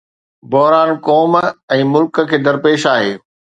بحران قوم ۽ ملڪ کي درپيش آهي.